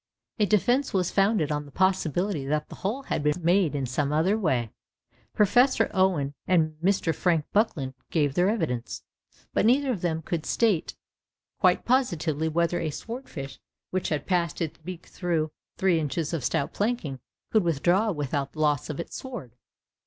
A defence was founded on the possibility that the hole had been made in some other way. Professor Owen and Mr. Frank Buckland gave their evidence; but neither of them could state quite positively whether a sword fish which had passed its beak through three inches of stout planking could withdraw without the loss of its sword.